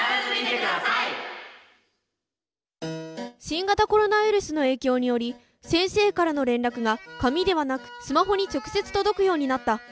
新型コロナウイルスの影響により先生からの連絡が紙ではなくスマホに直接届くようになった。